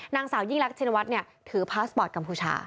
นางสาวยี่ลักษณวร์เนี่ยถือพาสบอร์ตกัมพูชา